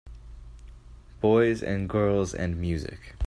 Boys and girls and music.